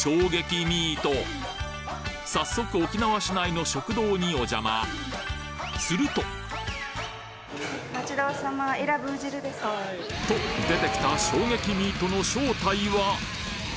さっそく沖縄市内の食堂にお邪魔するとお待ちどおさま。と出てきた衝撃ミートの正体は？